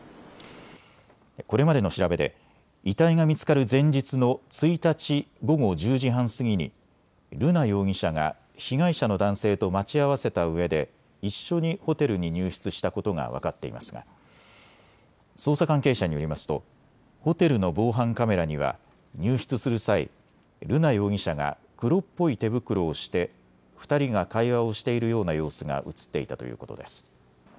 これまでの調べで遺体が見つかる前日の１日午後１０時半過ぎに瑠奈容疑者が被害者の男性と待ち合わせたうえで一緒にホテルに入室したことが分かっていますが捜査関係者によりますとホテルの防犯カメラには入室する際、瑠奈容疑者が黒っぽい手袋をして２人が会話をしているような様子が写っていたということです。